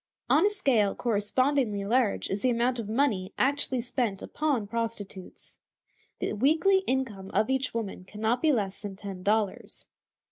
On a scale correspondingly large is the amount of money actually spent upon prostitutes. The weekly income of each woman can not be less than ten dollars.